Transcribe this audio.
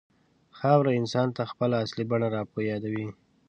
خاوره انسان ته خپله اصلي بڼه راپه یادوي.